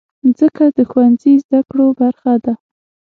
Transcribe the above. مځکه د ښوونځي زدهکړو برخه ده.